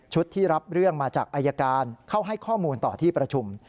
ที่รับเรื่องมาจากอายการเข้าให้ข้อมูลต่อที่ประชุม